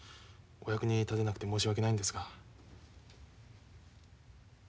お役に立てなくて申し訳ないんですが。